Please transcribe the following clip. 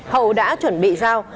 hậu đã chuẩn bị dao